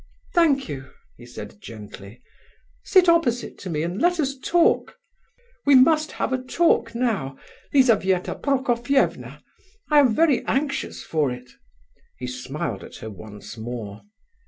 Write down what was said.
"Thank you," he said gently. "Sit opposite to me, and let us talk. We must have a talk now, Lizabetha Prokofievna; I am very anxious for it." He smiled at her once more.